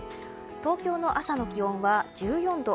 東京の朝の気温は１４度。